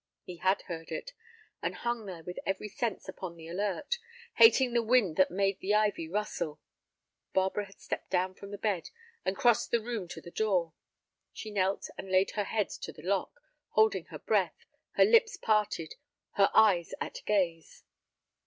He had heard it, and hung there with every sense upon the alert, hating the wind that made the ivy rustle. Barbara had stepped down from the bed and crossed the room to the door. She knelt and laid her ear to the lock, holding her breath, her lips parted, her eyes at gaze.